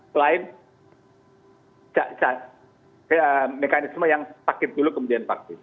selain mekanisme yang sakit dulu kemudian vaksin